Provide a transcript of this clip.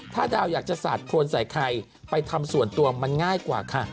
ถ้าดาวอยากจะสาดโครนใส่ใครไปทำส่วนตัวมันง่ายกว่าค่ะ